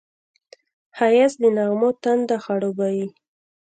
ښایست د نغمو تنده خړوبوي